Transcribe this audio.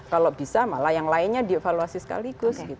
kalau bisa malah yang lainnya dievaluasi sekaligus